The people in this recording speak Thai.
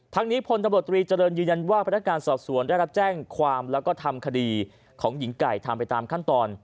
ทั้งนี้พลตำรวจตรีเจริญยืนยันว่าพนักการสอบสวนได้รับแจ้งความแล้วก็ทำคดีของหญิงไก่ทำไปตามขั้นตอน